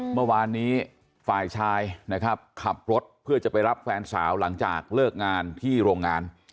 เมื่อวานนี้ฝ่ายชายนะครับขับรถเพื่อจะไปรับแฟนสาวหลังจากเลิกงานที่โรงงาน